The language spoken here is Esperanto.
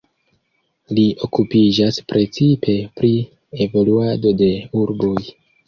Li okupiĝas precipe pri evoluado de urboj.